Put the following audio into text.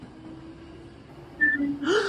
圣谢尔尚帕尼人口变化图示